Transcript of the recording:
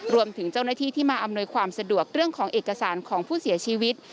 รวมถึงเจ้าหน้าที่ที่มาอำนวยความสะดวกเรื่องของเอกสารของผู้เสียชีวิต